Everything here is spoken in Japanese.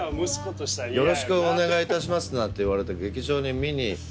「よろしくお願いいたします」なんて言われて。